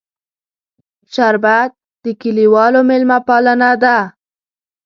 شربت د کلیوالو میلمهپالنه ده